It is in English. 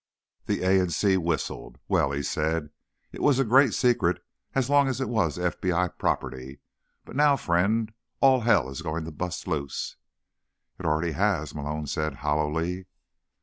The A in C whistled. "Well," he said, "it was a great secret as long as it was FBI property. But now, friend, all hell is going to bust loose." "It already has," Malone said hollowly.